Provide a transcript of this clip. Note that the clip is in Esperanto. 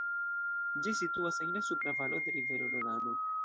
Ĝi situas en la supra valo de rivero Rodano.